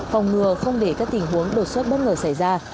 phòng ngừa không để các tình huống đột xuất bất ngờ xảy ra